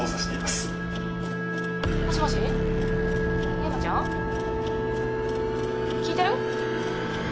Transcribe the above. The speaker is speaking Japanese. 深山ちゃん？聞いてる？」